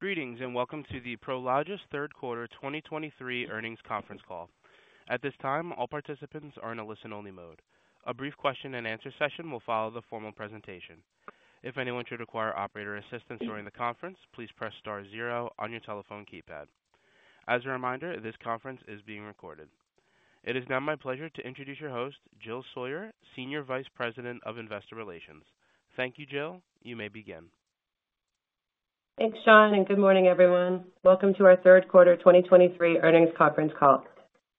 Greetings, and welcome to the Prologis Third Quarter 2023 Earnings Conference Call. At this time, all participants are in a listen-only mode. A brief question and answer session will follow the formal presentation. If anyone should require operator assistance during the conference, please press star zero on your telephone keypad. As a reminder, this conference is being recorded. It is now my pleasure to introduce your host, Jill Sawyer, Senior Vice President of Investor Relations. Thank you, Jill. You may begin. Thanks, Sean, and good morning, everyone. Welcome to our third quarter 2023 earnings conference call.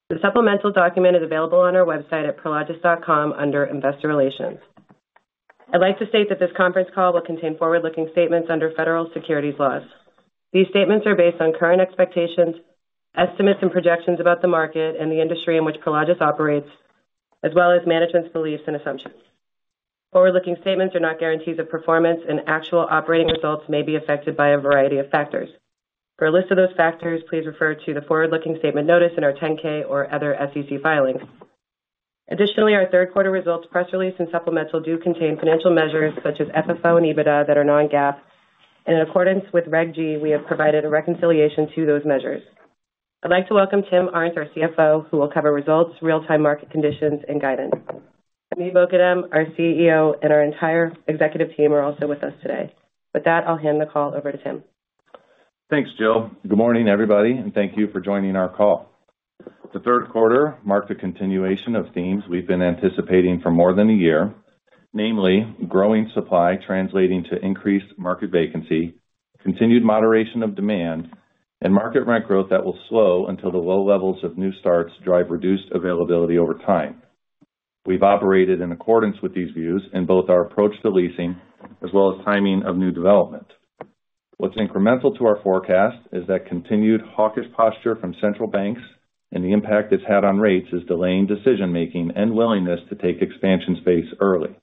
The supplemental document is available on our website at prologis.com under Investor Relations. I'd like to state that this conference call will contain forward-looking statements under federal securities laws. These statements are based on current expectations, estimates, and projections about the market and the industry in which Prologis operates, as well as management's beliefs and assumptions. Forward-looking statements are not guarantees of performance, and actual operating results may be affected by a variety of factors. For a list of those factors, please refer to the Forward-Looking Statement Notice in our 10-K or other SEC filings. Additionally, our third quarter results, press release, and supplemental do contain financial measures such as FFO and EBITDA that are non-GAAP, and in accordance with Reg G, we have provided a reconciliation to those measures. I'd like to welcome Tim Arndt, our CFO, who will cover results, real-time market conditions, and guidance. Hamid Moghadam, our CEO, and our entire executive team are also with us today. With that, I'll hand the call over to Tim. Thanks, Jill. Good morning, everybody, and thank you for joining our call. The third quarter marked a continuation of themes we've been anticipating for more than a year, namely, growing supply translating to increased market vacancy, continued moderation of demand, and market rent growth that will slow until the low levels of new starts drive reduced availability over time. We've operated in accordance with these views in both our approach to leasing as well as timing of new development. What's incremental to our forecast is that continued hawkish posture from central banks and the impact it's had on rates is delaying decision-making and willingness to take expansion space early.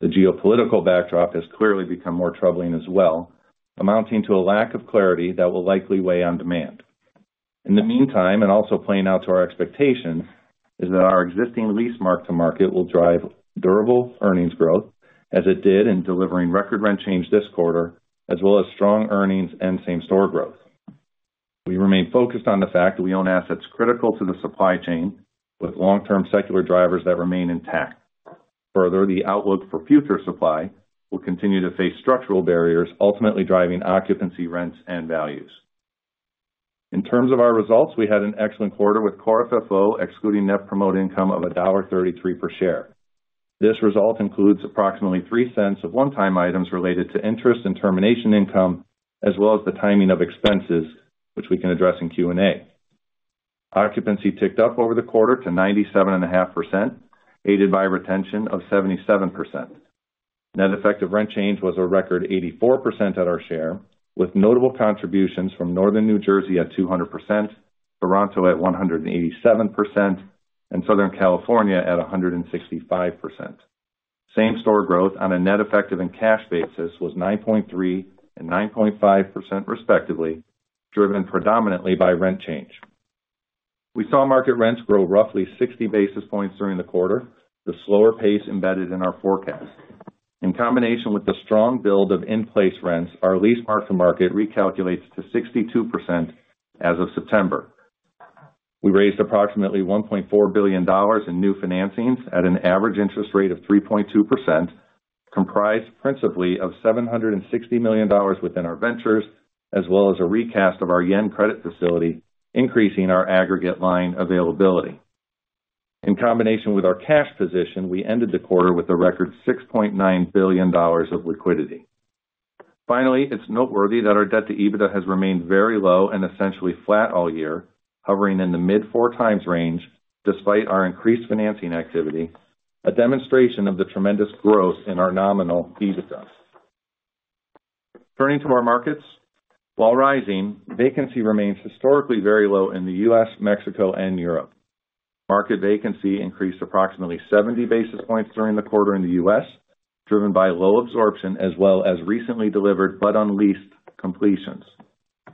The geopolitical backdrop has clearly become more troubling as well, amounting to a lack of clarity that will likely weigh on demand. In the meantime, and also playing out to our expectation, is that our existing lease mark-to-market will drive durable earnings growth, as it did in delivering record rent change this quarter, as well as strong earnings and same-store growth. We remain focused on the fact that we own assets critical to the supply chain, with long-term secular drivers that remain intact. Further, the outlook for future supply will continue to face structural barriers, ultimately driving occupancy rents and values. In terms of our results, we had an excellent quarter with Core FFO, excluding net promote income of $1.33 per share. This result includes approximately $0.03 of one-time items related to interest and termination income, as well as the timing of expenses, which we can address in Q&A. Occupancy ticked up over the quarter to 97.5%, aided by retention of 77%. Net effective rent change was a record 84% at our share, with notable contributions from Northern New Jersey at 200%, Toronto at 187%, and Southern California at 165%. Same-store growth on a net effective and cash basis was 9.3% and 9.5%, respectively, driven predominantly by rent change. We saw market rents grow roughly 60 basis points during the quarter, the slower pace embedded in our forecast. In combination with the strong build of in-place rents, our lease mark-to-market recalculates to 62% as of September. We raised approximately $1.4 billion in new financings at an average interest rate of 3.2%, comprised principally of $760 million within our ventures, as well as a recast of our yen credit facility, increasing our aggregate line availability. In combination with our cash position, we ended the quarter with a record $6.9 billion of liquidity. Finally, it's noteworthy that our debt to EBITDA has remained very low and essentially flat all year, hovering in the mid-4x range despite our increased financing activity, a demonstration of the tremendous growth in our nominal EBITDA. Turning to our markets. While rising, vacancy remains historically very low in the U.S., Mexico, and Europe. Market vacancy increased approximately 70 basis points during the quarter in the U.S., driven by low absorption as well as recently delivered but unleased completions.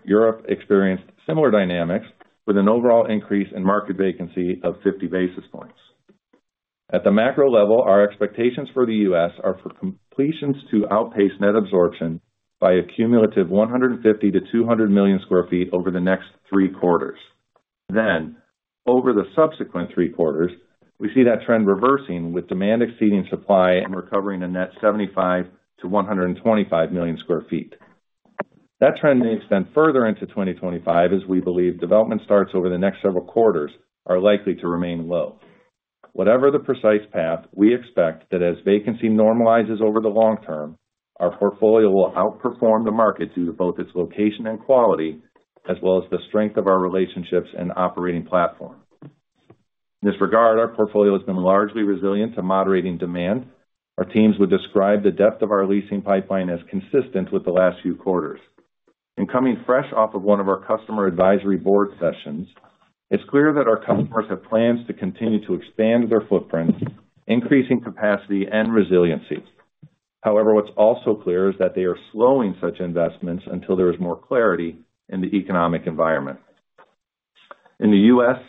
Europe experienced similar dynamics, with an overall increase in market vacancy of 50 basis points. At the macro level, our expectations for the U.S. are for completions to outpace net absorption by a cumulative 150-200 million sq ft over the next three quarters. Then, over the subsequent three quarters, we see that trend reversing, with demand exceeding supply and recovering a net 75-125 million sq ft. That trend may extend further into 2025, as we believe development starts over the next several quarters are likely to remain low. Whatever the precise path, we expect that as vacancy normalizes over the long term, our portfolio will outperform the market due to both its location and quality, as well as the strength of our relationships and operating platform. In this regard, our portfolio has been largely resilient to moderating demand. Our teams would describe the depth of our leasing pipeline as consistent with the last few quarters. Coming fresh off of one of our customer advisory board sessions, it's clear that our customers have plans to continue to expand their footprints, increasing capacity and resiliency. However, what's also clear is that they are slowing such investments until there is more clarity in the economic environment. In the U.S.,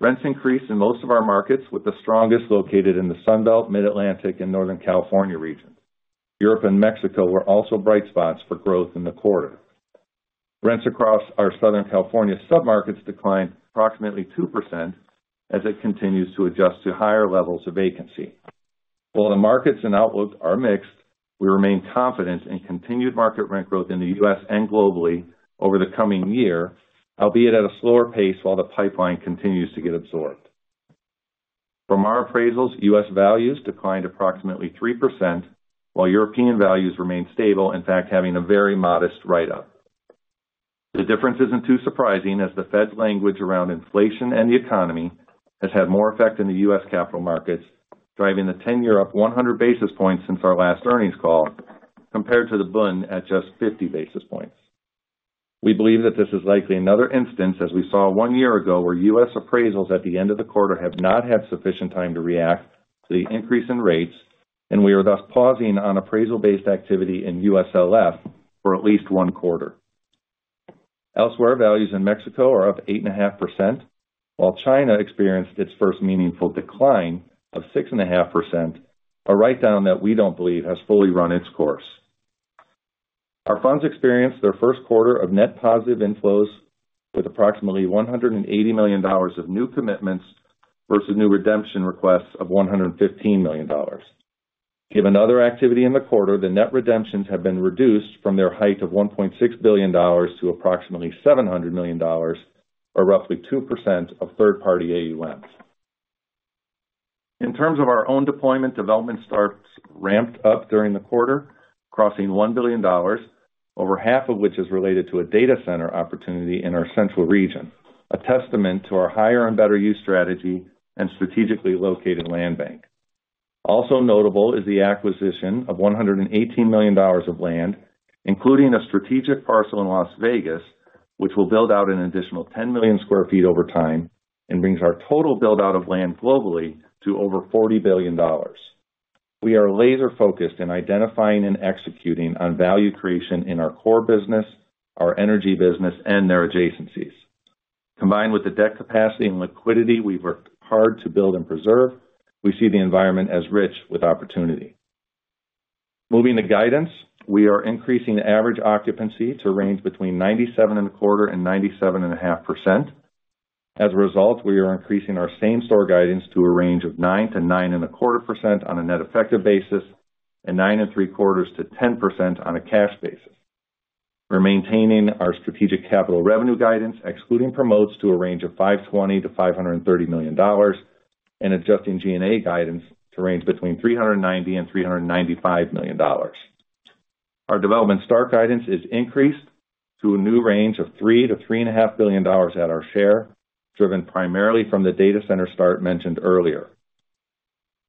rents increased in most of our markets, with the strongest located in the Sun Belt, Mid-Atlantic, and Northern California region. Europe and Mexico were also bright spots for growth in the quarter. Rents across our Southern California submarkets declined approximately 2% as it continues to adjust to higher levels of vacancy. While the markets and outlooks are mixed, we remain confident in continued market rent growth in the U.S. and globally over the coming year, albeit at a slower pace while the pipeline continues to get absorbed. From our appraisals, U.S. values declined approximately 3%, while European values remained stable, in fact, having a very modest write-up. The difference isn't too surprising, as the Fed's language around inflation and the economy has had more effect in the U.S. capital markets, driving the 10-year up 100 basis points since our last earnings call, compared to the bond at just 50 basis points. We believe that this is likely another instance, as we saw one year ago, where U.S. appraisals at the end of the quarter have not had sufficient time to react to the increase in rates, and we are thus pausing on appraisal-based activity in USLF for at least one quarter. Elsewhere, values in Mexico are up 8.5%, while China experienced its first meaningful decline of 6.5%, a write-down that we don't believe has fully run its course. Our funds experienced their first quarter of net positive inflows, with approximately $180 million of new commitments versus new redemption requests of $115 million. Given other activity in the quarter, the net redemptions have been reduced from their height of $1.6 billion to approximately $700 million, or roughly 2% of third-party AUMs. In terms of our own deployment, development starts ramped up during the quarter, crossing $1 billion, over half of which is related to a data center opportunity in our central region, a testament to our higher and better use strategy and strategically located land bank. Also notable is the acquisition of $118 million of land, including a strategic parcel in Las Vegas, which will build out an additional 10 million sq ft over time and brings our total build-out of land globally to over $40 billion. We are laser-focused in identifying and executing on value creation in our core business, our energy business, and their adjacencies. Combined with the debt capacity and liquidity we've worked hard to build and preserve, we see the environment as rich with opportunity. Moving to guidance, we are increasing the average occupancy to range between 97.25% and 97.5%. As a result, we are increasing our same-store guidance to a range of 9%-9.25% on a net effective basis, and 9.75%-10% on a cash basis. We're maintaining our strategic capital revenue guidance, excluding promotes, to a range of $520 million-$530 million, and adjusting G&A guidance to range between $390 million and $395 million. Our development start guidance is increased to a new range of $3 billion-$3.5 billion at our share, driven primarily from the data center start mentioned earlier.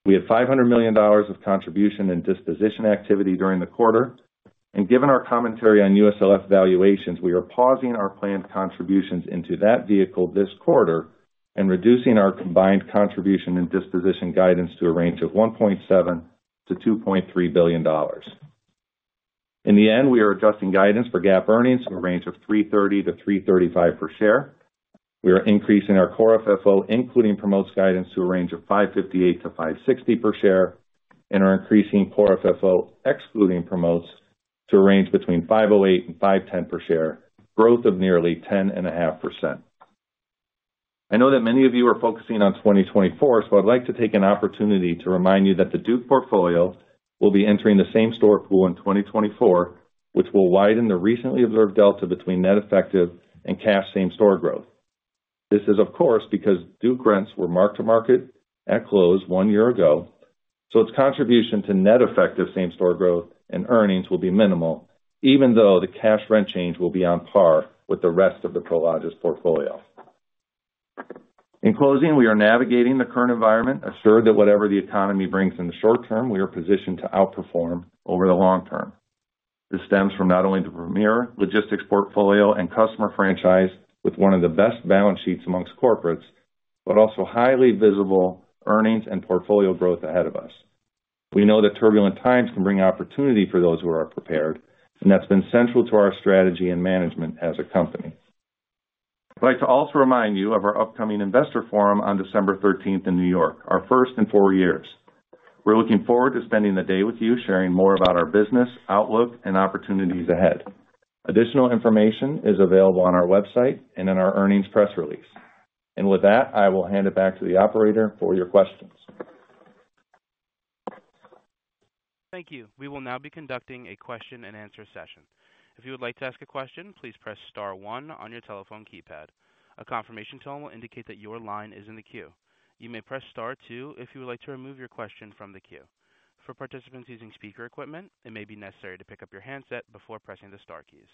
We had $500 million of contribution and disposition activity during the quarter, and given our commentary on USLF valuations, we are pausing our planned contributions into that vehicle this quarter and reducing our combined contribution and disposition guidance to a range of $1.7 billion-$2.3 billion. In the end, we are adjusting guidance for GAAP earnings in a range of $3.30-$3.35 per share. We are increasing our Core FFO, including promotes guidance, to a range of $5.58-$5.60 per share, and are increasing Core FFO, excluding promotes, to a range between $5.08 and $5.10 per share, growth of nearly 10.5%. I know that many of you are focusing on 2024, so I'd like to take an opportunity to remind you that the Duke portfolio will be entering the same-store pool in 2024, which will widen the recently observed delta between net effective and cash same-store growth. This is, of course, because Duke rents were mark-to-market at close one year ago, so its contribution to net effective same-store growth and earnings will be minimal, even though the cash rent change will be on par with the rest of the Prologis portfolio. In closing, we are navigating the current environment, assured that whatever the economy brings in the short term, we are positioned to outperform over the long term. This stems from not only the premier logistics portfolio and customer franchise with one of the best balance sheets among corporates, but also highly visible earnings and portfolio growth ahead of us. We know that turbulent times can bring opportunity for those who are prepared, and that's been central to our strategy and management as a company. I'd like to also remind you of our upcoming investor forum on December 13 in New York, our first in four years. We're looking forward to spending the day with you, sharing more about our business, outlook, and opportunities ahead. Additional information is available on our website and in our earnings press release. With that, I will hand it back to the operator for your questions. Thank you. We will now be conducting a question-and-answer session. If you would like to ask a question, please press star one on your telephone keypad. A confirmation tone will indicate that your line is in the queue. You may press star two if you would like to remove your question from the queue. For participants using speaker equipment, it may be necessary to pick up your handset before pressing the star keys.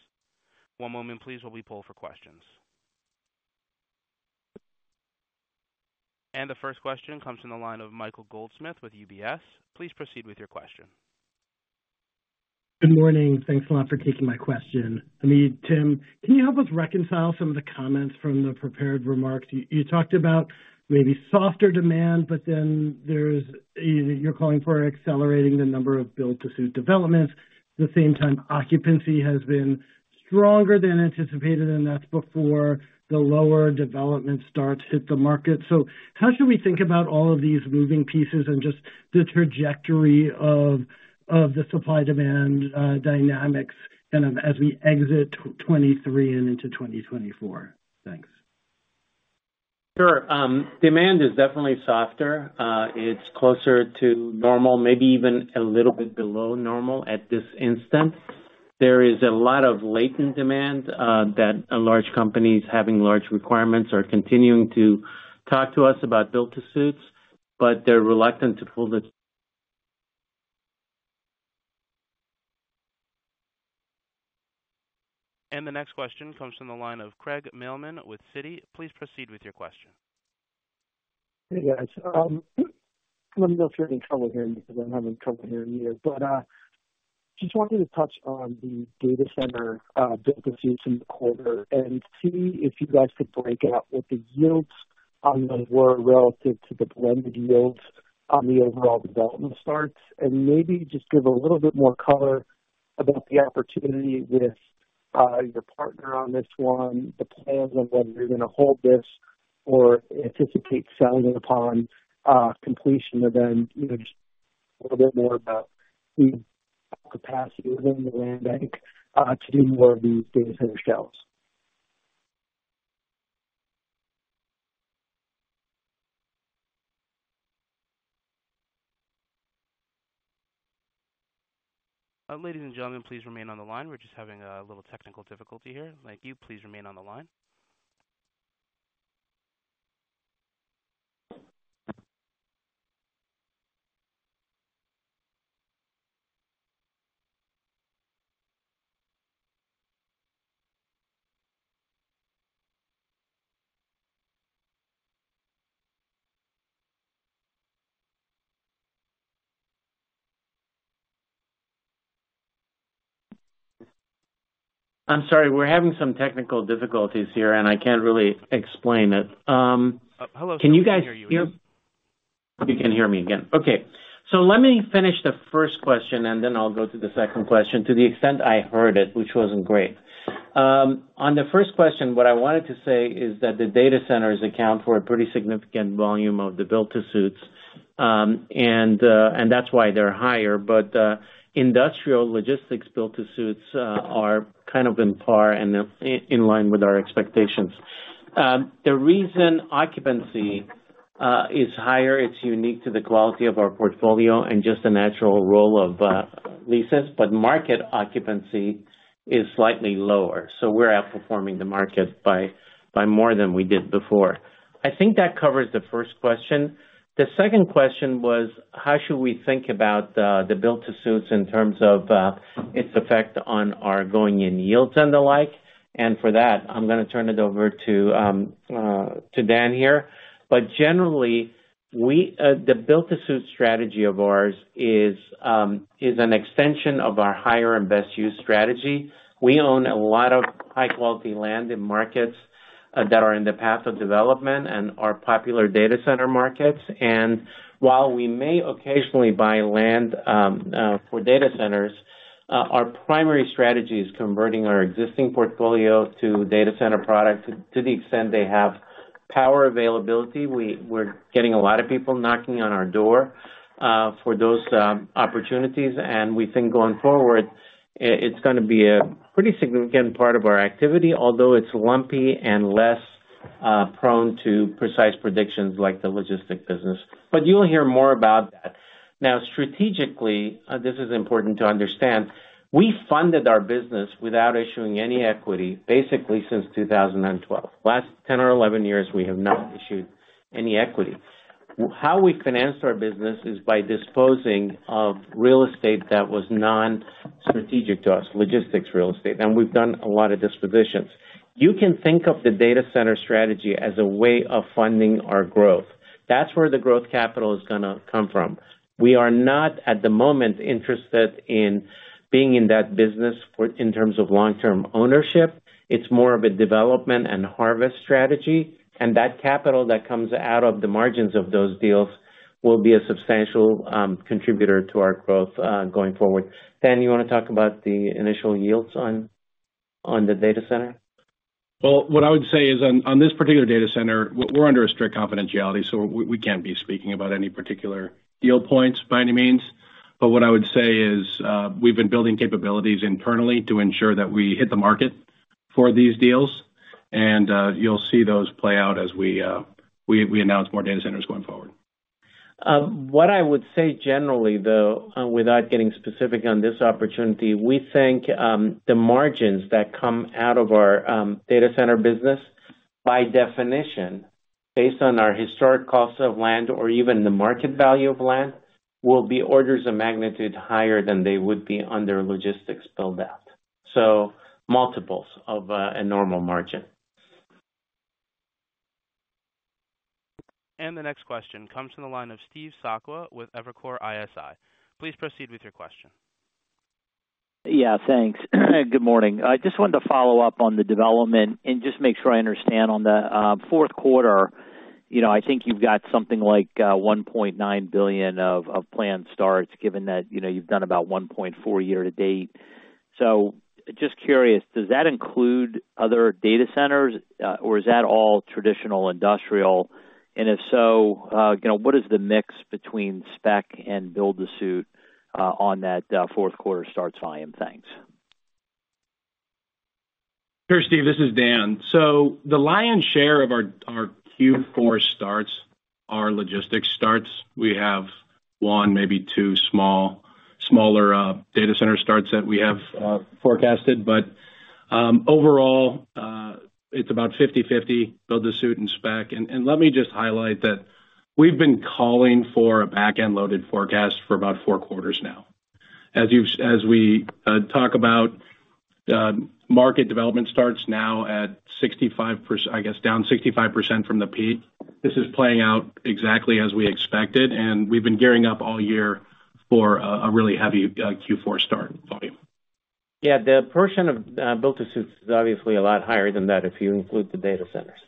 One moment please, while we pull for questions. The first question comes from the line of Michael Goldsmith with UBS. Please proceed with your question. Good morning. Thanks a lot for taking my question. I mean, Tim, can you help us reconcile some of the comments from the prepared remarks? You, you talked about maybe softer demand, but then there's a... You're calling for accelerating the number of build-to-suit developments. At the same time, occupancy has been stronger than anticipated, and that's before the lower development starts hit the market. So how should we think about all of these moving pieces and just the trajectory of, of the supply-demand dynamics kind of as we exit 2023 and into 2024? Thanks. Sure. Demand is definitely softer. It's closer to normal, maybe even a little bit below normal at this instance. There is a lot of latent demand that large companies having large requirements are continuing to talk to us about build-to-suits, but they're reluctant to pull the- The next question comes from the line of Craig Mailman with Citi. Please proceed with your question. Hey, guys. Let me know if you're having trouble hearing me, because I'm having trouble hearing you. But, just wanted to touch on the data center build-to-suits in the quarter and see if you guys could break out what the yields on those were relative to the blended yields on the overall development starts. And maybe just give a little bit more color about the opportunity with your partner on this one, the plans on whether you're going to hold this or anticipate selling it upon completion, and then, you know, just a little bit more about the capacity within the land bank to do more of these data center shells. Ladies and gentlemen, please remain on the line. We're just having a little technical difficulty here. Thank you. Please remain on the line. I'm sorry, we're having some technical difficulties here, and I can't really explain it. Hello. Can you guys hear? You can hear me again. Okay. So let me finish the first question, and then I'll go to the second question, to the extent I heard it, which wasn't great. On the first question, what I wanted to say is that the data centers account for a pretty significant volume of the build-to-suits, and that's why they're higher. But industrial logistics build-to-suits are kind of on par and in line with our expectations. The reason occupancy is higher, it's unique to the quality of our portfolio and just the natural roll of leases, but market occupancy is slightly lower, so we're outperforming the market by more than we did before. I think that covers the first question. The second question was, how should we think about the build-to-suits in terms of its effect on our going-in yields and the like? And for that, I'm going to turn it over to Dan here. But generally, the build-to-suit strategy of ours is an extension of our higher and best use strategy. We own a lot of high-quality land in markets that are in the path of development and are popular data center markets. And while we may occasionally buy land for data centers, our primary strategy is converting our existing portfolio to data center products. To the extent they have power availability, we're getting a lot of people knocking on our door for those opportunities. And we think going forward, it's gonna be a pretty significant part of our activity, although it's lumpy and less prone to precise predictions like the logistic business. But you'll hear more about that. Now, strategically, this is important to understand, we funded our business without issuing any equity, basically since 2012. Last 10 or 11 years, we have not issued any equity. How we finance our business is by disposing of real estate that was non-strategic to us, logistics real estate, and we've done a lot of dispositions. You can think of the data center strategy as a way of funding our growth. That's where the growth capital is gonna come from. We are not, at the moment, interested in being in that business for... in terms of long-term ownership. It's more of a development and harvest strategy, and that capital that comes out of the margins of those deals will be a substantial contributor to our growth going forward. Dan, you want to talk about the initial yields on the data center? Well, what I would say is on this particular data center, we're under a strict confidentiality, so we can't be speaking about any particular deal points by any means. But what I would say is, we've been building capabilities internally to ensure that we hit the market for these deals, and you'll see those play out as we announce more data centers going forward. What I would say generally, though, without getting specific on this opportunity, we think the margins that come out of our data center business, by definition, based on our historic costs of land or even the market value of land, will be orders of magnitude higher than they would be under a logistics build-out. So multiples of a normal margin. The next question comes from the line of Steve Sakwa with Evercore ISI. Please proceed with your question. Yeah, thanks. Good morning. I just wanted to follow up on the development and just make sure I understand. On the fourth quarter, you know, I think you've got something like $1.9 billion of planned starts, given that, you know, you've done about $1.4 billion year to date. So just curious, does that include other data centers or is that all traditional industrial? And if so, you know, what is the mix between spec and build-to-suit on that fourth quarter starts volume? Thanks. Sure, Steve, this is Dan. So the lion's share of our Q4 starts are logistics starts. We have one, maybe two small, smaller data center starts that we have forecasted. But overall, it's about 50/50 build-to-suit and spec. And let me just highlight that we've been calling for a back-end loaded forecast for about 4 quarters now. As you've—as we talk about market development starts now at 65%, I guess, down 65% from the peak. This is playing out exactly as we expected, and we've been gearing up all year for a really heavy Q4 start volume. Yeah, the portion of build-to-suits is obviously a lot higher than that if you include the data centers.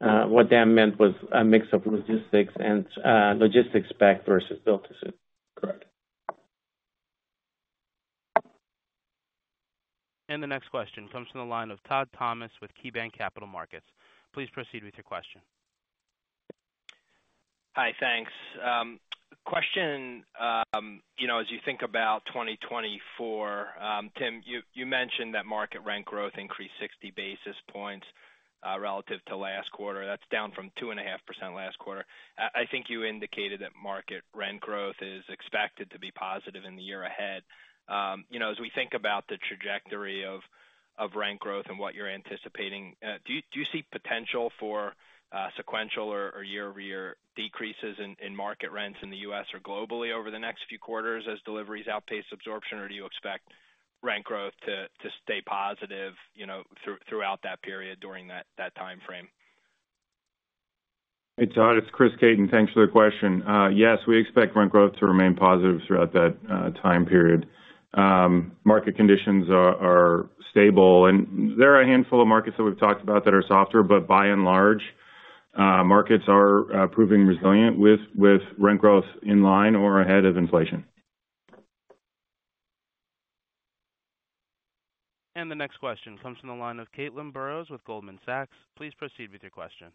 What Dan meant was a mix of logistics and logistics spec versus build-to-suit. Correct. The next question comes from the line of Todd Thomas with KeyBanc Capital Markets. Please proceed with your question. Hi, thanks. Question, you know, as you think about 2024, Tim, you mentioned that market rent growth increased 60 basis points, relative to last quarter. That's down from 2.5% last quarter. I think you indicated that market rent growth is expected to be positive in the year ahead. You know, as we think about the trajectory of rent growth and what you're anticipating, do you see potential for sequential or year-over-year decreases in market rents in the U.S. or globally over the next few quarters as deliveries outpace absorption? Or do you expect rent growth to stay positive, you know, throughout that period, during that time frame? Hey, Todd, it's Chris Caton. Thanks for the question. Yes, we expect rent growth to remain positive throughout that time period. Market conditions are, are stable, and there are a handful of markets that we've talked about that are softer, but by and large, markets are proving resilient with, with rent growth in line or ahead of inflation. The next question comes from the line of Caitlin Burrows with Goldman Sachs. Please proceed with your question.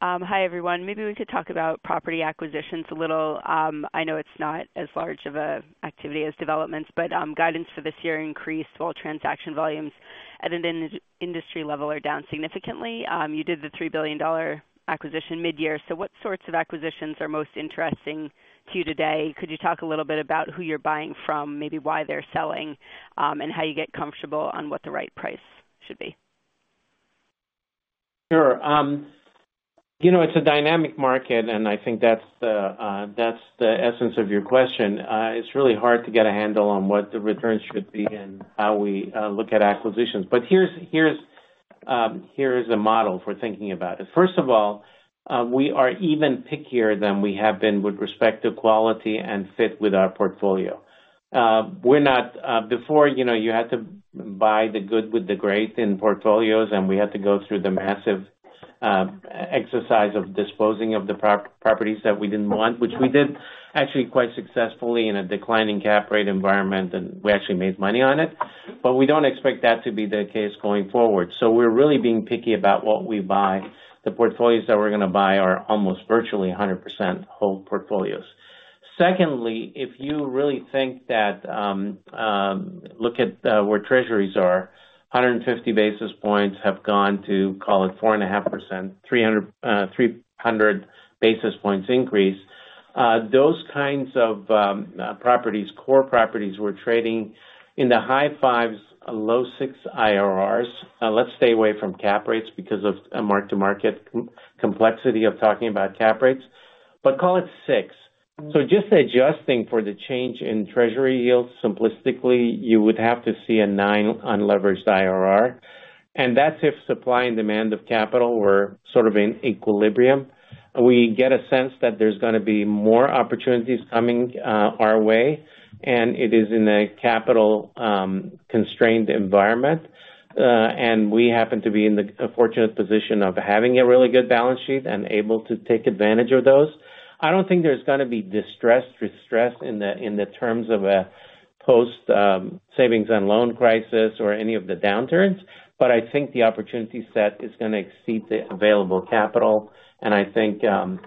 Hi, everyone. Maybe we could talk about property acquisitions a little. I know it's not as large of an activity as developments, but guidance for this year increased while transaction volumes at an industry level are down significantly. You did the $3 billion acquisition mid-year. So what sorts of acquisitions are most interesting to you today? Could you talk a little bit about who you're buying from, maybe why they're selling, and how you get comfortable on what the right price should be? Sure. You know, it's a dynamic market, and I think that's the essence of your question. It's really hard to get a handle on what the returns should be and how we look at acquisitions. But here is a model for thinking about it. First of all, we are even pickier than we have been with respect to quality and fit with our portfolio. We're not. Before, you know, you had to buy the good with the great in portfolios, and we had to go through the massive exercise of disposing of the properties that we didn't want, which we did actually quite successfully in a declining cap rate environment, and we actually made money on it. But we don't expect that to be the case going forward. So we're really being picky about what we buy. The portfolios that we're going to buy are almost virtually 100% whole portfolios. Secondly, if you really think that, look at where treasuries are, 150 basis points have gone to, call it, 4.5%, 300 basis points increase. Those kinds of properties, core properties, were trading in the high 5s, low 6 IRRs. Let's stay away from cap rates because of a mark-to-market complexity of talking about cap rates, but call it 6. So just adjusting for the change in treasury yields, simplistically, you would have to see a 9 unleveraged IRR, and that's if supply and demand of capital were sort of in equilibrium. We get a sense that there's gonna be more opportunities coming our way, and it is in a capital constrained environment, and we happen to be in a fortunate position of having a really good balance sheet and able to take advantage of those. I don't think there's gonna be distressed in the terms of a post savings and loan crisis or any of the downturns, but I think the opportunity set is gonna exceed the available capital, and I think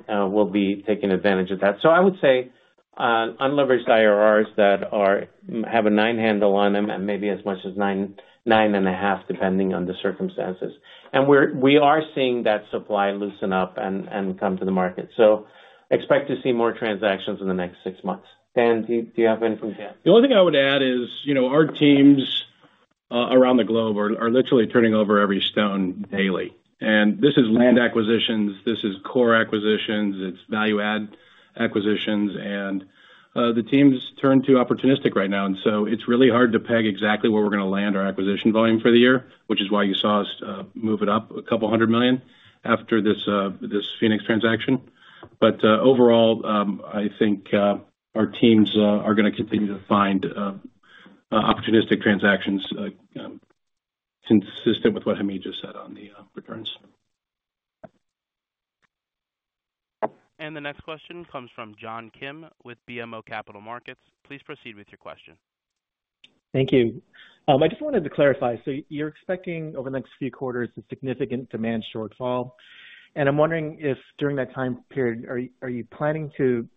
we'll be taking advantage of that. So I would say unleveraged IRRs that have a 9 handle on them and maybe as much as 9-9.5, depending on the circumstances. And we are seeing that supply loosen up and come to the market. Expect to see more transactions in the next six months. Dan, do you, do you have anything to add? The only thing I would add is, you know, our teams around the globe are literally turning over every stone daily. This is land acquisitions, this is core acquisitions, it's value add acquisitions, and the teams turn to opportunistic right now, and so it's really hard to peg exactly where we're gonna land our acquisition volume for the year, which is why you saw us move it up a couple hundred million after this Phoenix transaction. But, overall, I think our teams are gonna continue to find opportunistic transactions, consistent with what Hamid just said on the returns. The next question comes from John Kim with BMO Capital Markets. Please proceed with your question. Thank you. I just wanted to clarify: so you're expecting over the next few quarters, a significant demand shortfall, and I'm wondering if during that time period, are you planning to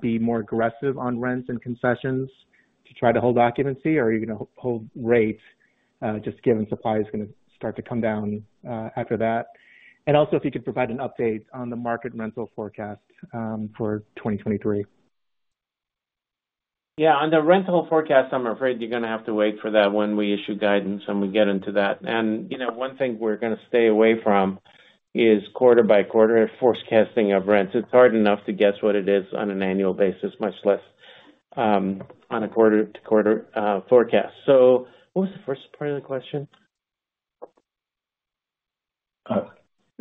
be more aggressive on rents and concessions to try to hold occupancy, or are you gonna hold rates, just given supply is gonna start to come down after that? And also, if you could provide an update on the market rental forecast for 2023. Yeah, on the rentable forecast, I'm afraid you're gonna have to wait for that when we issue guidance, and we get into that. And, you know, one thing we're gonna stay away from is quarter by quarter forecasting of rents. It's hard enough to guess what it is on an annual basis, much less, on a quarter-to-quarter forecast. So what was the first part of the question? Uh-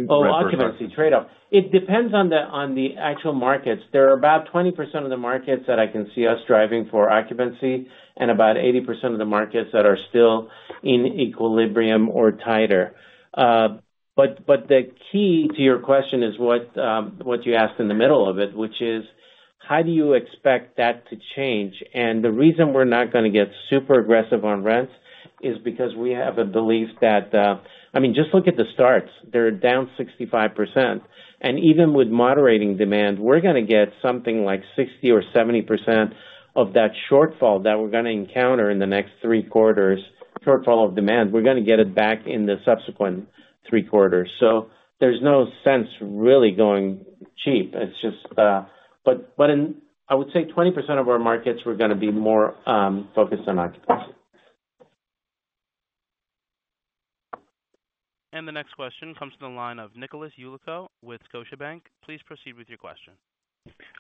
Oh, occupancy trade-off. It depends on the, on the actual markets. There are about 20% of the markets that I can see us driving for occupancy and about 80% of the markets that are still in equilibrium or tighter. But the key to your question is what, what you asked in the middle of it, which is: how do you expect that to change? And the reason we're not gonna get super aggressive on rents is because we have a belief that... I mean, just look at the starts. They're down 65%, and even with moderating demand, we're gonna get something like 60% or 70% of that shortfall that we're gonna encounter in the next three quarters, shortfall of demand, we're gonna get it back in the subsequent three quarters. So there's no sense really going cheap. It's just... But in, I would say, 20% of our markets, we're gonna be more focused on occupancy. The next question comes from the line of Nicholas Yulico with Scotiabank. Please proceed with your question.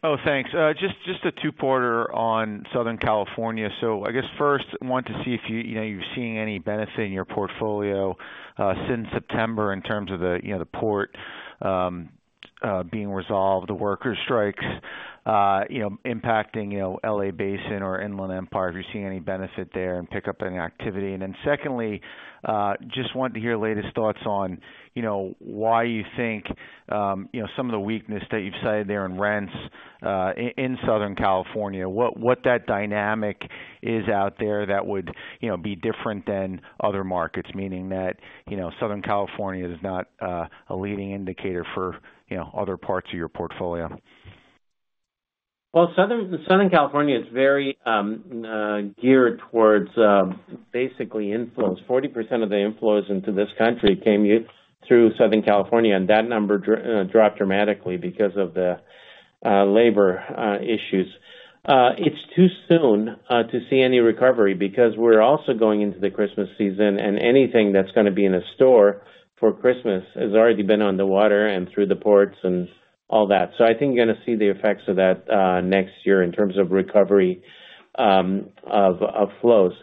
Oh, thanks. Just a two-parter on Southern California. So I guess first, I want to see if you, you know, you're seeing any benefit in your portfolio since September in terms of the, you know, the port being resolved, the worker strikes, you know, impacting, you know, L.A. Basin or Inland Empire, if you're seeing any benefit there and pickup in activity. And then secondly, just wanted to hear your latest thoughts on, you know, why you think, you know, some of the weakness that you've cited there in rents in Southern California, what that dynamic is out there that would, you know, be different than other markets, meaning that, you know, Southern California is not a leading indicator for, you know, other parts of your portfolio. Well, Southern California is very geared towards basically inflows. 40% of the inflows into this country came through Southern California, and that number dropped dramatically because of the labor issues. It's too soon to see any recovery because we're also going into the Christmas season, and anything that's gonna be in a store for Christmas has already been on the water and through the ports and all that. So I think you're gonna see the effects of that next year in terms of recovery of flows.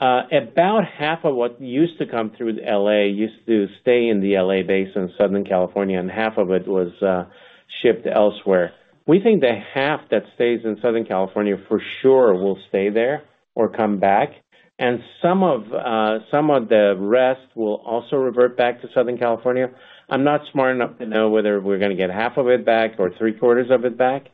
About half of what used to come through L.A. used to stay in the L.A. Basin in Southern California, and half of it was shipped elsewhere. We think the half that stays in Southern California, for sure will stay there or come back, and some of, some of the rest will also revert back to Southern California. I'm not smart enough to know whether we're gonna get half of it back or three-quarters of it back,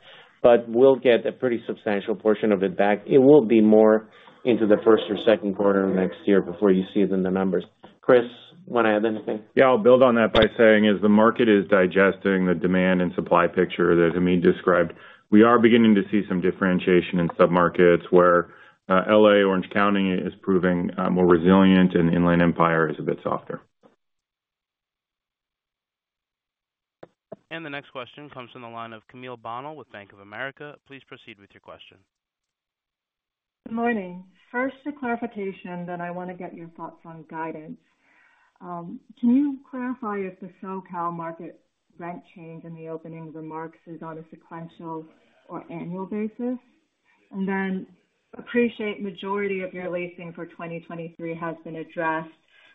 but we'll get a pretty substantial portion of it back. It will be more into the first or second quarter of next year before you see it in the numbers. Chris, you want to add anything? Yeah, I'll build on that by saying, as the market is digesting the demand and supply picture that Hamid described, we are beginning to see some differentiation in submarkets where, L.A., Orange County is proving, more resilient and Inland Empire is a bit softer. The next question comes from the line of Camille Bonnel with Bank of America. Please proceed with your question. Good morning. First, a clarification, then I want to get your thoughts on guidance. Can you clarify if the SoCal market rent change in the opening remarks is on a sequential or annual basis? And then, appreciate majority of your leasing for 2023 has been addressed,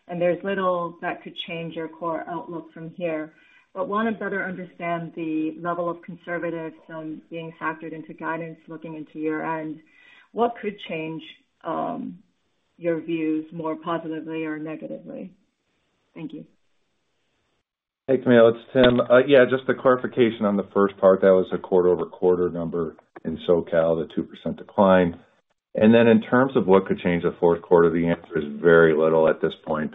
and there's little that could change your core outlook from here. But want to better understand the level of conservatism being factored into guidance looking into year-end. What could change your views more positively or negatively? Thank you. Hey, Camille, it's Tim. Yeah, just a clarification on the first part. That was a quarter-over-quarter number in SoCal, the 2% decline. And then in terms of what could change the fourth quarter, the answer is very little at this point.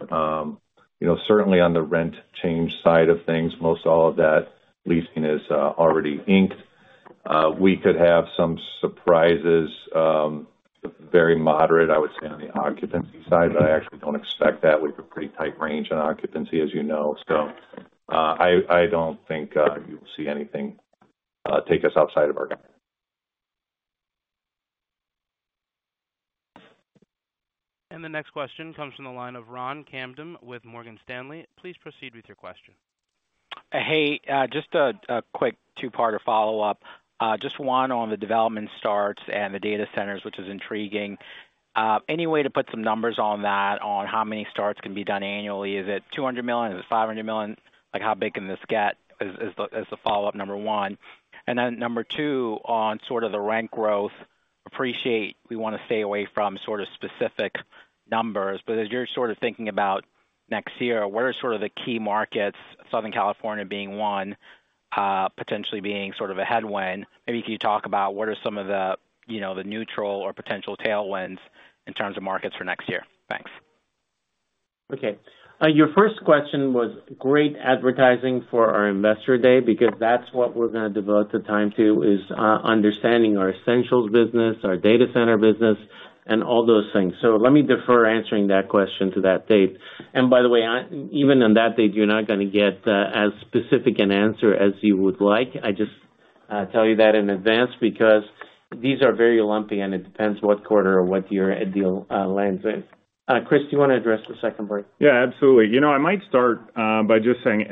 You know, certainly on the rent change side of things, most all of that leasing is already inked. We could have some surprises, very moderate, I would say, on the occupancy side, but I actually don't expect that. We've a pretty tight range on occupancy, as you know. So, I don't think you'll see anything take us outside of our guide. The next question comes from the line of Ron Kamdem with Morgan Stanley. Please proceed with your question. Hey, just a quick two-part follow-up. Just one on the development starts and the data centers, which is intriguing. Any way to put some numbers on that, on how many starts can be done annually? Is it 200 million? Is it 500 million? Like, how big can this get? Is the follow-up, number one. And then number two, on sort of the rent growth. Appreciate we want to stay away from sort of specific numbers, but as you're sort of thinking about next year, what are sort of the key markets, Southern California being one, potentially being sort of a headwind? Maybe can you talk about what are some of the, you know, the neutral or potential tailwinds in terms of markets for next year? Thanks. Okay. Your first question was great advertising for our investor day, because that's what we're gonna devote the time to, is understanding our essentials business, our data center business, and all those things. So let me defer answering that question to that date. And by the way, I, even on that date, you're not gonna get as specific an answer as you would like. I just tell you that in advance, because these are very lumpy, and it depends what quarter or what year a deal lands in. Chris, do you want to address the second part? Yeah, absolutely. You know, I might start by just saying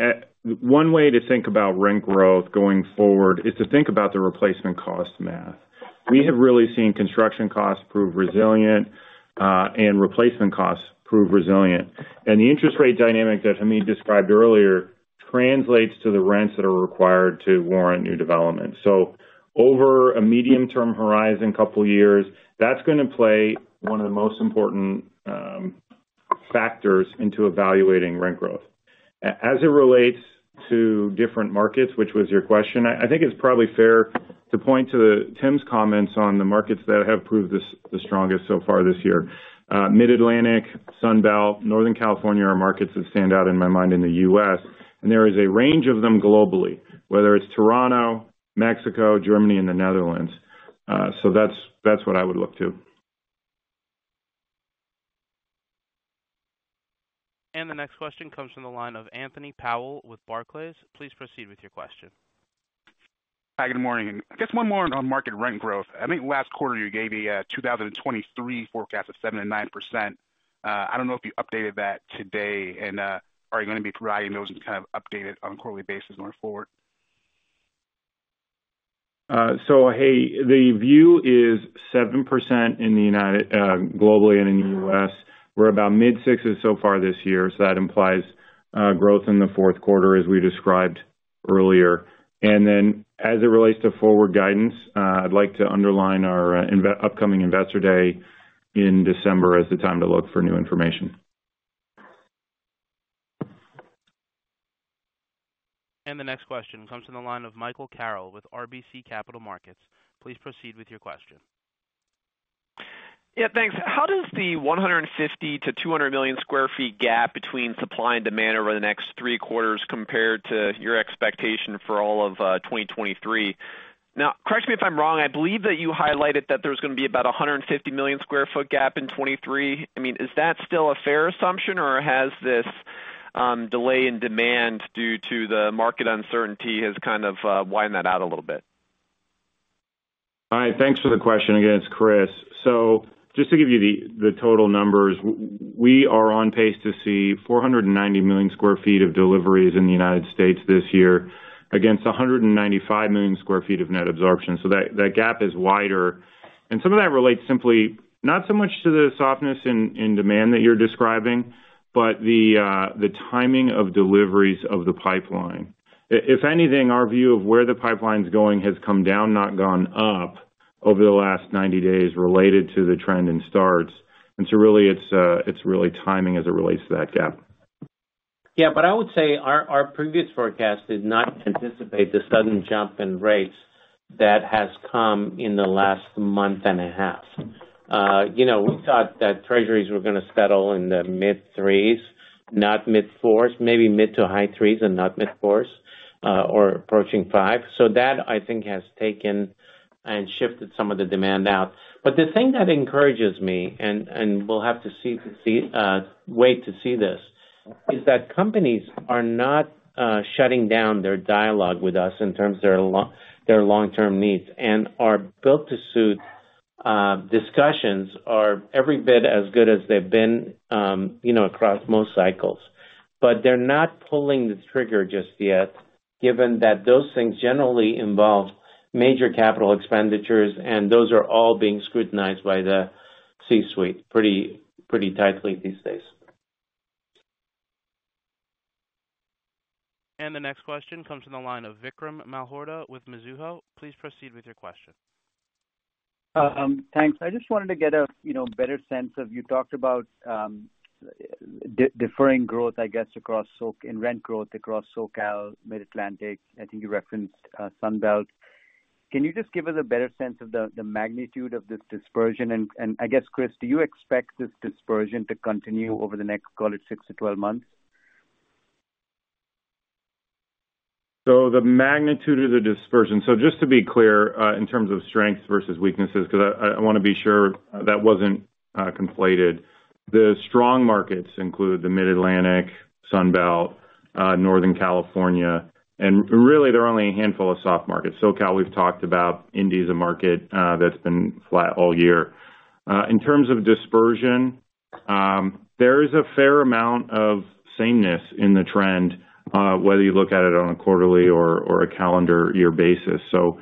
one way to think about rent growth going forward is to think about the replacement cost math. We have really seen construction costs prove resilient and replacement costs prove resilient. And the interest rate dynamic that Hamid described earlier translates to the rents that are required to warrant new development. So over a medium-term horizon, couple years, that's gonna play one of the most important factors into evaluating rent growth. As it relates to different markets, which was your question, I think it's probably fair to point to Tim's comments on the markets that have proved the strongest so far this year. Mid-Atlantic, Sun Belt, Northern California, are markets that stand out in my mind in the U.S., and there is a range of them globally, whether it's Toronto, Mexico, Germany, and the Netherlands. So that's what I would look to. The next question comes from the line of Anthony Powell with Barclays. Please proceed with your question. Hi, good morning. I guess one more on market rent growth. I think last quarter you gave a 2023 forecast of 7%-9%. I don't know if you updated that today, and are you gonna be providing those and kind of updated on a quarterly basis going forward? So hey, the view is 7% in the United States globally and in the US. We're about mid-60s so far this year, so that implies growth in the fourth quarter, as we described earlier. And then, as it relates to forward guidance, I'd like to underline our upcoming Investor Day in December as the time to look for new information. The next question comes from the line of Michael Carroll with RBC Capital Markets. Please proceed with your question. Yeah, thanks. How does the 150-200 million sq ft gap between supply and demand over the next three quarters compare to your expectation for all of 2023? Now, correct me if I'm wrong, I believe that you highlighted that there was gonna be about a 150 million sq ft gap in 2023. I mean, is that still a fair assumption, or has this delay in demand due to the market uncertainty has kind of widened that out a little bit? Hi, thanks for the question. Again, it's Chris. So just to give you the total numbers, we are on pace to see 490 million sq ft of deliveries in the United States this year, against 195 million sq ft of net absorption. So that gap is wider. And some of that relates simply, not so much to the softness in demand that you're describing, but the timing of deliveries of the pipeline. If anything, our view of where the pipeline's going has come down, not gone up, over the last 90 days related to the trend and starts. And so really it's really timing as it relates to that gap. Yeah, but I would say our, our previous forecast did not anticipate the sudden jump in rates that has come in the last month and a half. You know, we thought that treasuries were gonna settle in the mid 3s, not mid 4s. Maybe mid to high 3s, and not mid 4s, or approaching 5. So that, I think, has taken and shifted some of the demand out. But the thing that encourages me, and we'll have to wait to see this, is that companies are not shutting down their dialogue with us in terms of their long-term needs. And our build-to-suit discussions are every bit as good as they've been, you know, across most cycles. But they're not pulling the trigger just yet, given that those things generally involve major capital expenditures, and those are all being scrutinized by the C-suite pretty, pretty tightly these days. The next question comes from the line of Vikram Malhotra with Mizuho. Please proceed with your question. Thanks. I just wanted to get a, you know, better sense of... You talked about deferring growth, I guess, across SoCal and rent growth across SoCal, Mid-Atlantic, I think you referenced Sun Belt. Can you just give us a better sense of the magnitude of this dispersion? And I guess, Chris, do you expect this dispersion to continue over the next, call it, 6-12 months? So the magnitude of the dispersion. So just to be clear, in terms of strengths versus weaknesses, because I, I want to be sure that wasn't conflated. The strong markets include the Mid-Atlantic, Sun Belt, Northern California, and really, there are only a handful of soft markets. SoCal, we've talked about. Indy is a market that's been flat all year. In terms of dispersion, there is a fair amount of sameness in the trend, whether you look at it on a quarterly or a calendar year basis. So,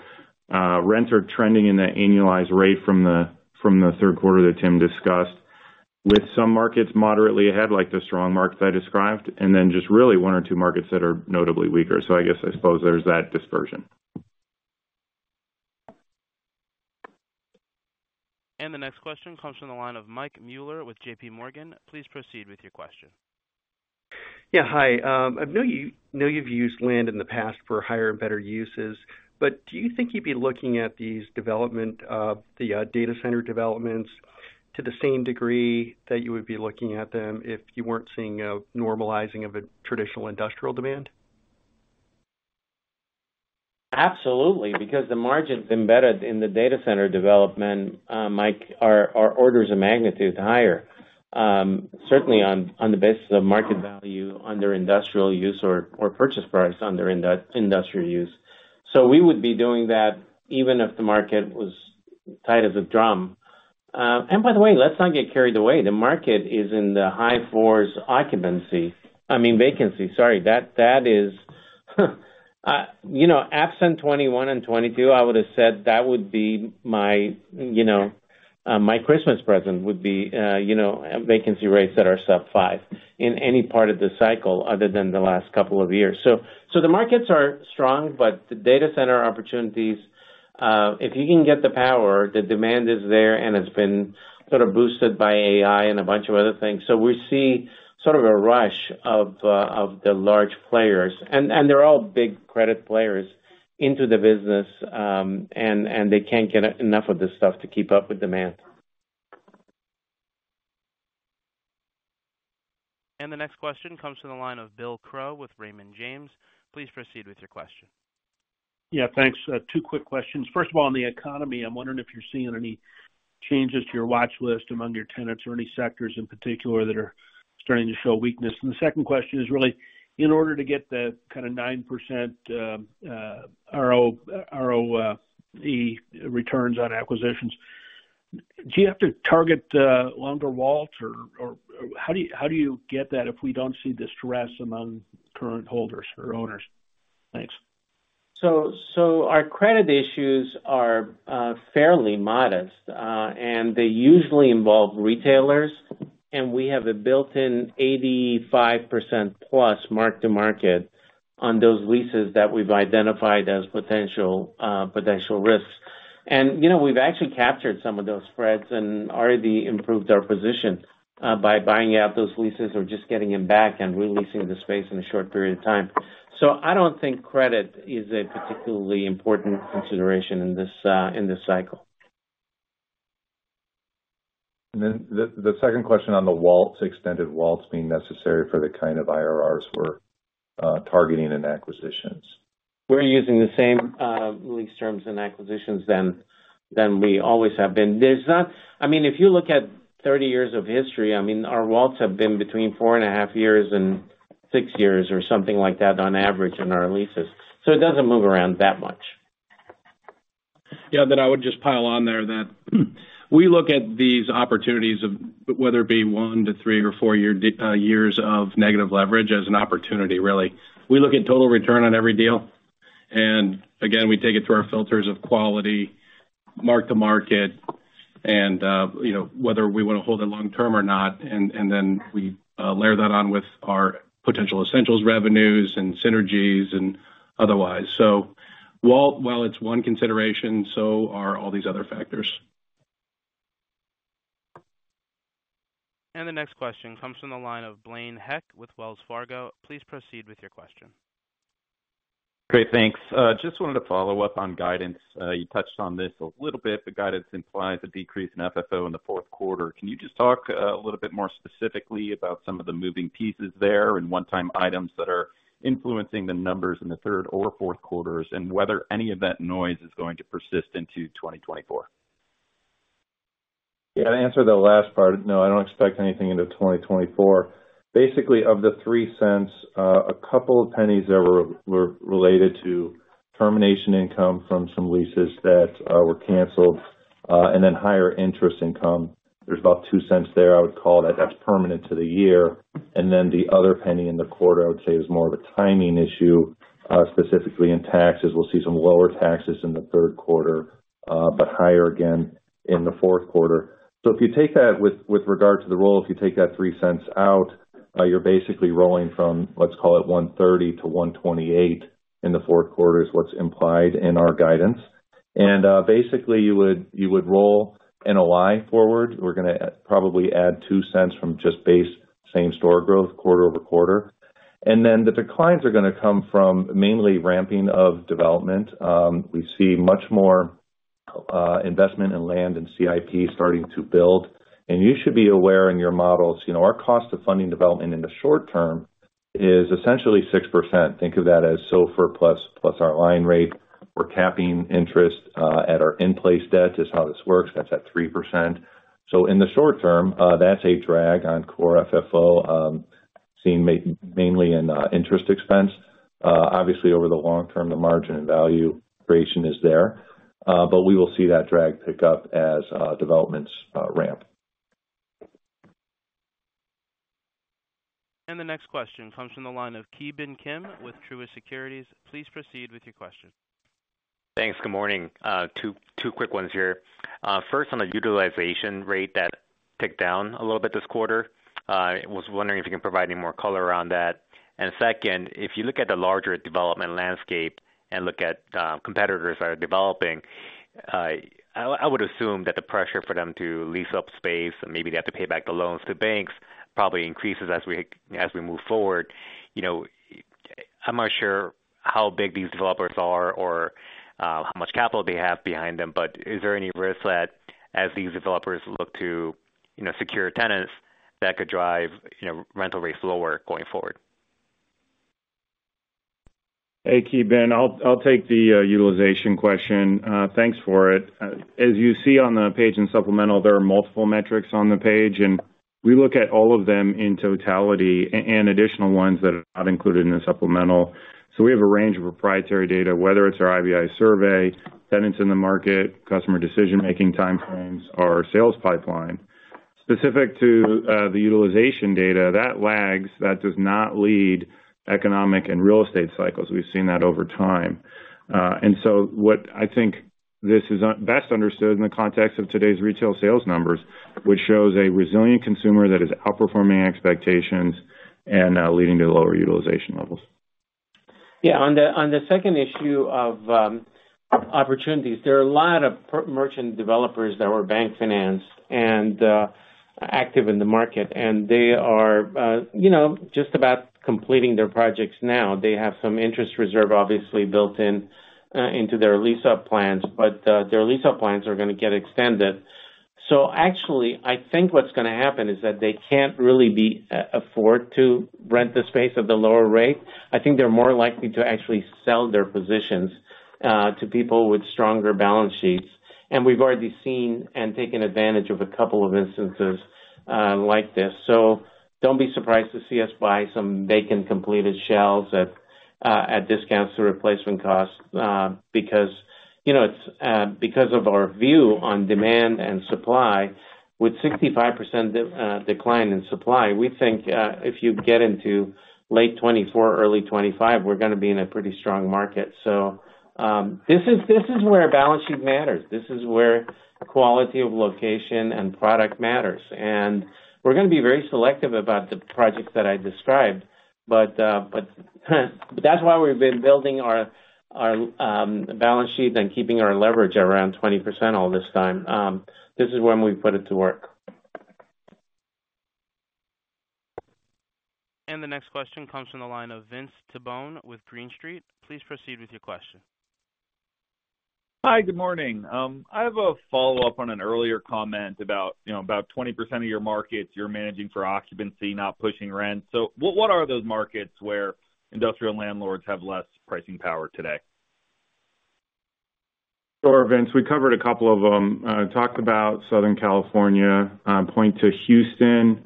rents are trending in that annualized rate from the third quarter that Tim discussed, with some markets moderately ahead, like the strong markets I described, and then just really one or two markets that are notably weaker. So I guess, I suppose there's that dispersion. The next question comes from the line of Mike Mueller with JPMorgan. Please proceed with your question. Yeah, hi. I know you know you've used land in the past for higher and better uses, but do you think you'd be looking at these data center developments to the same degree that you would be looking at them if you weren't seeing a normalizing of a traditional industrial demand? Absolutely, because the margins embedded in the data center development, Mike, are orders of magnitude higher, certainly on the basis of market value under industrial use or purchase price under industrial use. So we would be doing that even if the market was tight as a drum. And by the way, let's not get carried away. The market is in the high 4s occupancy - I mean, vacancy. Sorry, that is, you know, absent 2021 and 2022, I would have said that would be my, you know, my Christmas present would be, you know, vacancy rates that are sub-5 in any part of the cycle other than the last couple of years. So, so the markets are strong, but the data center opportunities, if you can get the power, the demand is there, and it's been sort of boosted by AI and a bunch of other things. So we see sort of a rush of, of the large players, and, and they're all big credit players into the business, and, and they can't get enough of this stuff to keep up with demand. The next question comes from the line of Bill Crow with Raymond James. Please proceed with your question. Yeah, thanks. Two quick questions. First of all, on the economy, I'm wondering if you're seeing any changes to your watch list among your tenants or any sectors in particular that are starting to show weakness? The second question is really, in order to get the kind of 9% ROE returns on acquisitions, do you have to target longer WALT or how do you get that if we don't see distress among current holders or owners? Thanks. So our credit issues are fairly modest, and they usually involve retailers, and we have a built-in 85% plus mark-to-market on those leases that we've identified as potential risks. And, you know, we've actually captured some of those spreads and already improved our position by buying out those leases or just getting them back and re-leasing the space in a short period of time. So I don't think credit is a particularly important consideration in this cycle. And then the second question on the WALT, extended WALT being necessary for the kind of IRRs we're targeting in acquisitions. We're using the same lease terms and acquisitions than we always have been. There's not—I mean, if you look at 30 years of history, I mean, our WALTs have been between 4.5 years and 6 years or something like that on average in our leases, so it doesn't move around that much. Yeah, that I would just pile on there, that we look at these opportunities of whether it be one to three or four years of negative leverage as an opportunity, really. We look at total return on every deal, and again, we take it through our filters of quality, mark-to-market, and, you know, whether we want to hold it long term or not, and then we layer that on with our potential essentials revenues and synergies and otherwise. So while it's one consideration, so are all these other factors. The next question comes from the line of Blaine Heck with Wells Fargo. Please proceed with your question. Great, thanks. Just wanted to follow up on guidance. You touched on this a little bit. The guidance implies a decrease in FFO in the fourth quarter. Can you just talk a little bit more specifically about some of the moving pieces there and one-time items that are influencing the numbers in the third or fourth quarters, and whether any of that noise is going to persist into 2024? Yeah, to answer the last part, no, I don't expect anything into 2024. Basically, of the $0.03, a couple of pennies that were related to termination income from some leases that were canceled, and then higher interest income. There's about $0.02 there. I would call that, that's permanent to the year. And then the other penny in the quarter, I would say, is more of a timing issue, specifically in taxes. We'll see some lower taxes in the third quarter, but higher again in the fourth quarter. So if you take that with regard to the roll, if you take that $0.03 out, you're basically rolling from, let's call it $1.30 to $1.28 in the fourth quarter, is what's implied in our guidance. And, basically, you would roll NOI forward. We're gonna probably add $0.02 from just base, same-store growth, quarter-over-quarter. And then the declines are gonna come from mainly ramping of development. We see much more investment in land and CIP starting to build. And you should be aware in your models, you know, our cost of funding development in the short term is essentially 6%. Think of that as SOFR plus our line rate. We're capping interest at our in-place debt, is how this works. That's at 3%. So in the short term, that's a drag on core FFO seen mainly in interest expense. Obviously, over the long term, the margin and value creation is there, but we will see that drag pick up as developments ramp. The next question comes from the line of Ki Bin Kim with Truist Securities. Please proceed with your question. Thanks. Good morning. Two quick ones here. First, on the utilization rate that ticked down a little bit this quarter, I was wondering if you can provide any more color around that. And second, if you look at the larger development landscape and look at competitors that are developing, I would assume that the pressure for them to lease up space and maybe they have to pay back the loans to banks probably increases as we move forward. You know, I'm not sure how big these developers are or how much capital they have behind them, but is there any risk that as these developers look to secure tenants, that could drive rental rates lower going forward? Hey, Ki Bin, I'll take the utilization question. Thanks for it. As you see on the page in supplemental, there are multiple metrics on the page, and we look at all of them in totality and additional ones that are not included in the supplemental. So we have a range of proprietary data, whether it's our IBI survey, tenants in the market, customer decision-making time frames, or sales pipeline. Specific to the utilization data, that lags, that does not lead economic and real estate cycles. We've seen that over time. And so what I think this is best understood in the context of today's retail sales numbers, which shows a resilient consumer that is outperforming expectations and leading to lower utilization levels. Yeah, on the second issue of opportunities, there are a lot of merchant developers that were bank-financed and active in the market, and they are, you know, just about completing their projects now. They have some interest reserve, obviously, built into their lease-up plans, but their lease-up plans are going to get extended. So actually, I think what's going to happen is that they can't really afford to rent the space at the lower rate. I think they're more likely to actually sell their positions to people with stronger balance sheets. And we've already seen and taken advantage of a couple of instances like this. So don't be surprised to see us buy some vacant, completed shells at discounts to replacement costs, because, you know, it's because of our view on demand and supply, with 65% decline in supply, we think, if you get into late 2024, early 2025, we're going to be in a pretty strong market. So, this is where balance sheet matters. This is where quality of location and product matters, and we're going to be very selective about the projects that I described. But, that's why we've been building our balance sheet and keeping our leverage around 20% all this time. This is when we put it to work. The next question comes from the line of Vince Tibone with Green Street. Please proceed with your question. Hi, good morning. I have a follow-up on an earlier comment about, you know, about 20% of your markets you're managing for occupancy, not pushing rent. So what, what are those markets where industrial landlords have less pricing power today? Sure, Vince, we covered a couple of them. Talked about Southern California, point to Houston,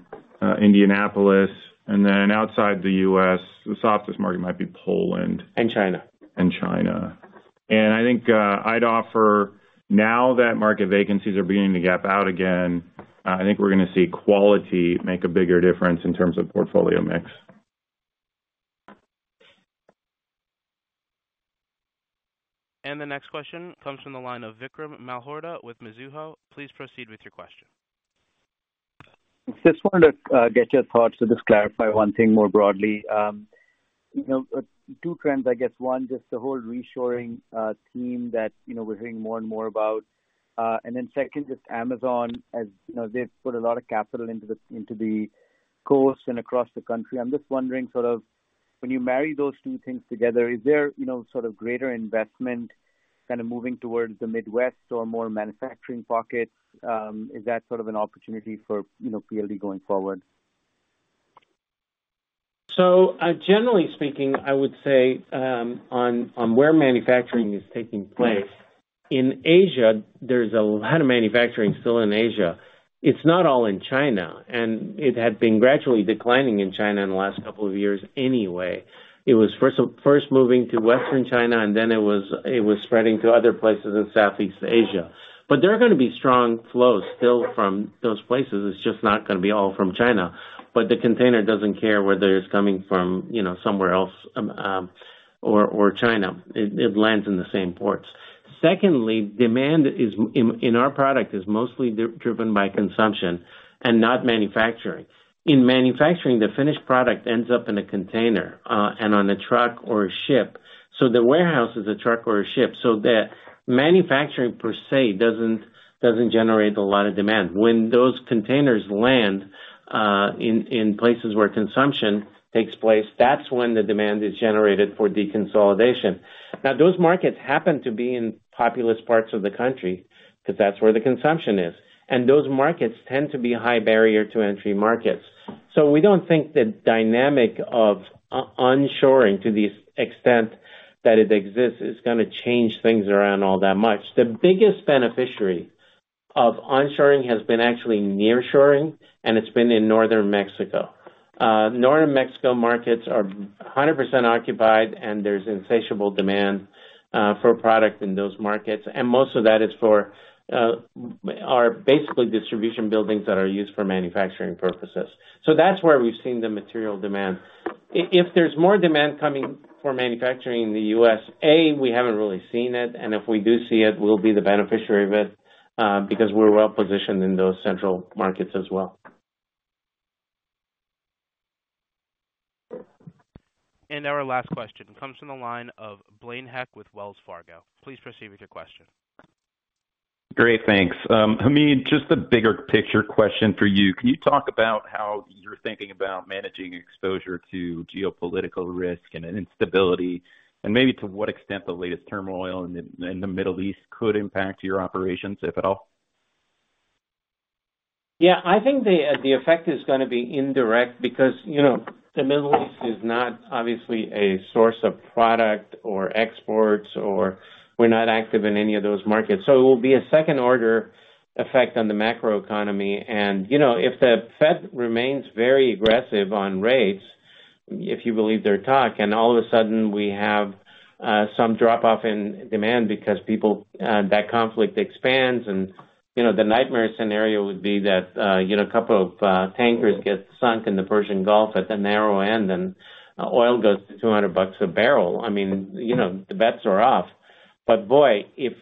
Indianapolis, and then outside the U.S., the softest market might be Poland. And China. And China. And I think, I'd offer, now that market vacancies are beginning to gap out again, I think we're going to see quality make a bigger difference in terms of portfolio mix. The next question comes from the line of Vikram Malhotra with Mizuho. Please proceed with your question. Just wanted to get your thoughts to just clarify one thing more broadly. You know, two trends, I guess. One, just the whole reshoring theme that, you know, we're hearing more and more about. And then second, just Amazon, as you know, they've put a lot of capital into the coast and across the country. I'm just wondering, sort of, when you marry those two things together, is there, you know, sort of greater investment kind of moving towards the Midwest or more manufacturing pockets? Is that sort of an opportunity for, you know, PLD going forward? So, generally speaking, I would say on where manufacturing is taking place, in Asia, there's a lot of manufacturing still in Asia. It's not all in China, and it had been gradually declining in China in the last couple of years anyway. It was first moving to western China, and then it was spreading to other places in Southeast Asia. But there are going to be strong flows still from those places. It's just not going to be all from China. But the container doesn't care whether it's coming from, you know, somewhere else, or China. It lands in the same ports. Secondly, demand in our product is mostly driven by consumption and not manufacturing. In manufacturing, the finished product ends up in a container and on a truck or a ship. So the warehouse is a truck or a ship, so the manufacturing per se doesn't generate a lot of demand. When those containers land in places where consumption takes place, that's when the demand is generated for deconsolidation. Now, those markets happen to be in populous parts of the country, because that's where the consumption is, and those markets tend to be high barrier to entry markets. So we don't think the dynamic of onshoring to the extent that it exists is going to change things around all that much. The biggest beneficiary of onshoring has been actually nearshoring, and it's been in Northern Mexico. Northern Mexico markets are 100% occupied, and there's insatiable demand for product in those markets, and most of that is basically distribution buildings that are used for manufacturing purposes. So that's where we've seen the material demand. If there's more demand coming for manufacturing in the U.S., we haven't really seen it, and if we do see it, we'll be the beneficiary of it, because we're well positioned in those central markets as well. Our last question comes from the line of Blaine Heck with Wells Fargo. Please proceed with your question. Great, thanks. Hamid, just a bigger picture question for you. Can you talk about how you're thinking about managing exposure to geopolitical risk and, and instability, and maybe to what extent the latest turmoil in the, in the Middle East could impact your operations, if at all? Yeah, I think the effect is gonna be indirect because, you know, the Middle East is not obviously a source of product or exports, or we're not active in any of those markets. So it will be a second order effect on the macroeconomy. And, you know, if the Fed remains very aggressive on rates, if you believe their talk, and all of a sudden we have some drop-off in demand because people... That conflict expands and, you know, the nightmare scenario would be that, you know, a couple of tankers get sunk in the Persian Gulf at the narrow end, and oil goes to $200 a barrel. I mean, you know, the bets are off. But boy, if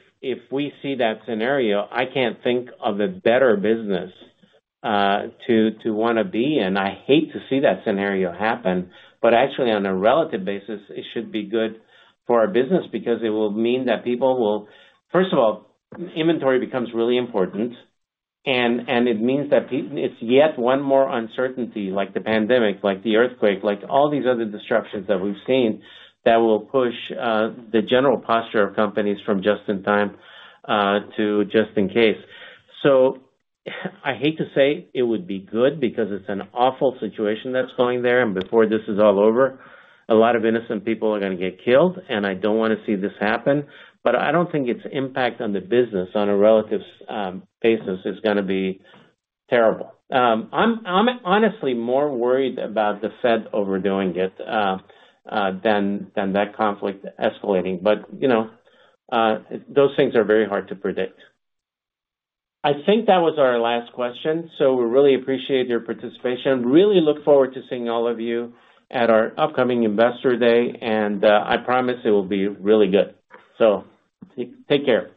we see that scenario, I can't think of a better business to wanna be in. I hate to see that scenario happen, but actually, on a relative basis, it should be good for our business because it will mean that people will—First of all, inventory becomes really important, and it means that it's yet one more uncertainty, like the pandemic, like the earthquake, like all these other disruptions that we've seen, that will push the general posture of companies from just in time to just in case. So I hate to say it would be good because it's an awful situation that's going there, and before this is all over, a lot of innocent people are gonna get killed, and I don't wanna see this happen, but I don't think its impact on the business, on a relative basis, is gonna be terrible. I'm honestly more worried about the Fed overdoing it than that conflict escalating. But, you know, those things are very hard to predict. I think that was our last question, so we really appreciate your participation. Really look forward to seeing all of you at our upcoming Investor Day, and I promise it will be really good. So take care.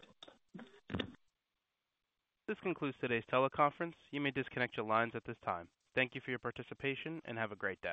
This concludes today's teleconference. You may disconnect your lines at this time. Thank you for your participation, and have a great day.